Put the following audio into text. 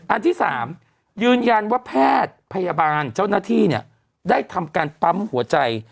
อันที่๓ยืนยันว่าแพทย์พยาบาลเจ้าหน้าที่เนี่ยได้ทำการปั๊มหัวใจ